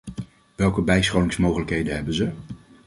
Welke bijscholingsmogelijkheden hebben ze?